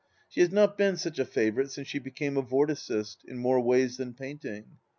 She has not been such a favourite since she became a Vorticist, in more ways than painting. .